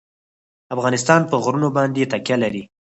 افغانستان په غرونه باندې تکیه لري.